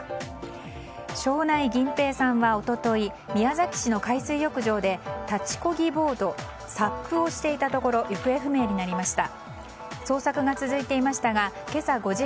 庄内銀平さんは一昨日宮崎市の海水浴場で立ちこぎボードＳＵＰをしていたところ行方不明になりました。